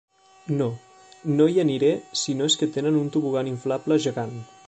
No, no hi aniré si no és que tenen un tobogan inflable gegant.